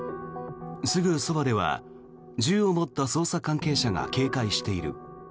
すぐそばでは銃を持った捜査関係者が警戒している。